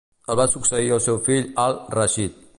El va succeir el seu fill Al-Rashid.